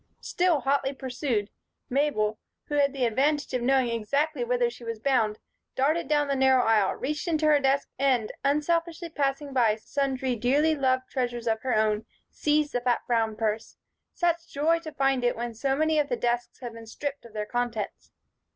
Still hotly pursued, Mabel, who had the advantage of knowing exactly whither she was bound, darted down the narrow aisle, reached into her desk, and, unselfishly passing by sundry dearly loved treasures of her own, seized the fat brown purse. Such joy to find it when so many of the desks had been stripped of their contents!